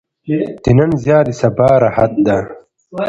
د نن زیار د سبا راحت ده.